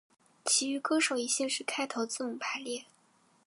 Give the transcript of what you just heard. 其余歌手以姓氏开头字母排列。